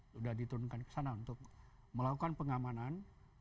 sudah diturunkan ke sana untuk melakukan pengamanan